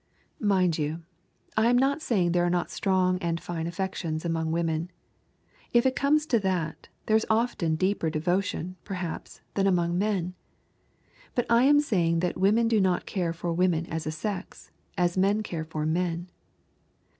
Mind you, I am not saying there are not strong and fine affections among women. If it comes to that, there is often deeper devotion, perhaps, than among men. But I am saying that women do not care for women as a sex, as men care for men.